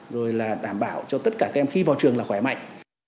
rồi là đảm bảo cho tất cả các em khi vào trường là khỏe mạnh